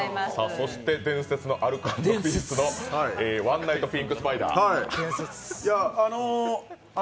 そして伝説のアルコ＆ピースのワンナイトピンク＆スパイダー。